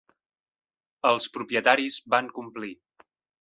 Els propietaris van complir.